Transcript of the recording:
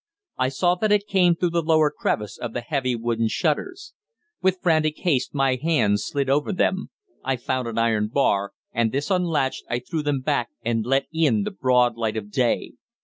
I saw that it came through the lower crevice of the heavy wooden shutters. With frantic haste my hands slid over them. I found an iron bar, and, this unlatched, I threw them back, and let in the broad light of day.